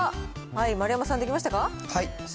丸山さん、できましたか？